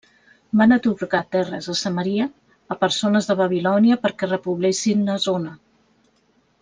Van atorgar terres a Samaria a persones de Babilònia perquè repoblessin la zona.